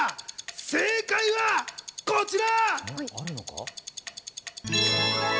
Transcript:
正解はこちら！